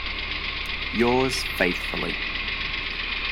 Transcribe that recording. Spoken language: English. Yours faithfully.